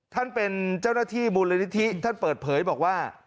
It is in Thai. ท่านเป็นเจ้าหน้าที่มูลนิธิท่านเปิดเผยบอกว่า